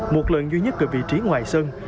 một lần duy nhất ở vị trí ngoài sân